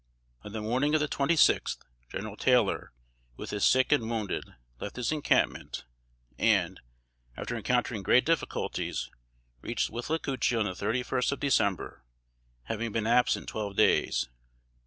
On the morning of the twenty sixth, General Taylor, with his sick and wounded, left his encampment, and, after encountering great difficulties, reached Withlacoochee on the thirty first of December; having been absent twelve days.